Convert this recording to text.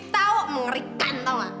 tau mengerikan tau gak